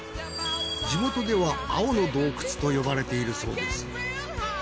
地元では青の洞窟と呼ばれているそうです。